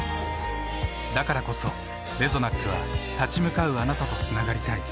だからこそレゾナックは立ち向かうあなたとつながりたい。